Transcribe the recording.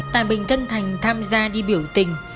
tài bình thân thành tham gia đi biểu tình